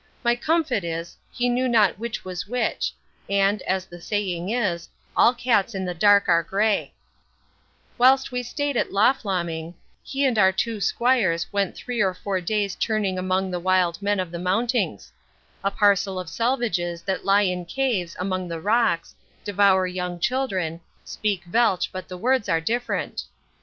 My comfit is, he knew not which was which; and, as the saying is, all cats in the dark are grey Whilst we stayed at Loff Loming, he and our two squires went three or four days churning among the wild men of the mountings; a parcel of selvidges that lie in caves among the rocks, devour young children, speak Velch, but the vords are different.